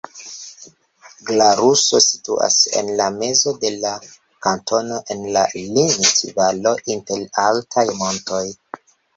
Glaruso situas en la mezo de la kantono en la Linth-Valo inter altaj montoj.